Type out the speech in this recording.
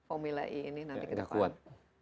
ini nanti ke depan